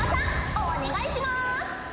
お願いします。